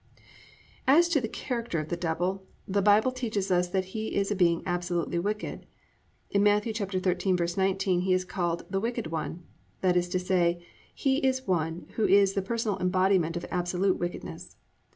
As to the character of the Devil, the Bible teaches us that he is a being absolutely wicked. In Matt. 13:19 he is called, "The Wicked One." That is to say, he is one who is the personal embodiment of absolute wickedness.